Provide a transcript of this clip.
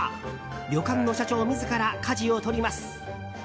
旅館の社長自らかじを取ります。